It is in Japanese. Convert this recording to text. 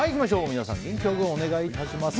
皆さん、元気良くお願いします。